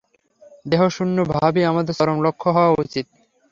দেহশূন্য-ভাবই আমাদের চরম লক্ষ্য হওয়া উচিত।